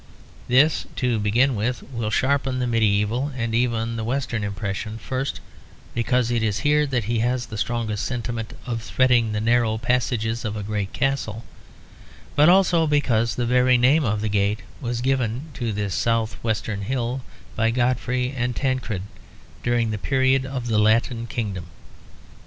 This, to begin with, will sharpen the medieval and even the Western impression first because it is here that he has the strongest sentiment of threading the narrow passages of a great castle; but also because the very name of the gate was given to this south western hill by Godfrey and Tancred during the period of the Latin kingdom.